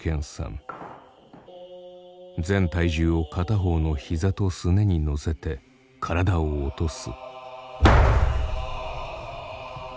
全体重を片方の膝とすねに乗せて体を落とす。